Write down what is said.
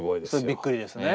びっくりですね。